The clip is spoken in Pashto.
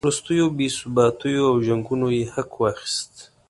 وروستیو بې ثباتیو او جنګونو یې حق واخیست.